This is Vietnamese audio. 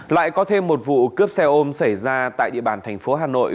lại có thêm một vụ cướp xe ôm xảy ra tại địa bàn thành phố hà nội